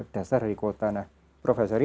dasar dari kuota nah prof hazari